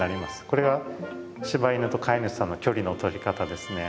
これは柴犬と飼い主さんの距離のとり方ですね。